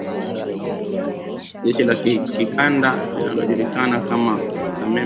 Jeshi la kikanda linalojulikana kama SAMIM